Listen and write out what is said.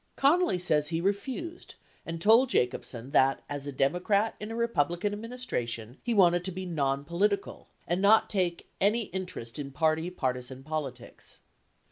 82 Connally says he refused and told Jacobsen that as a Democrat in a Republican administration he wanted to be "nonpolitical" and not take "any inter est in party partisan politics